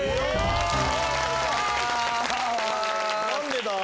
何でだ？